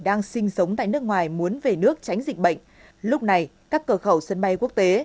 đang sinh sống tại nước ngoài muốn về nước tránh dịch bệnh lúc này các cửa khẩu sân bay quốc tế